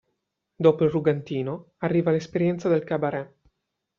Dopo il "Rugantino", arriva l'esperienza del Cabaret.